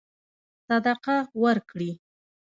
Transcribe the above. صدقه ورکړي.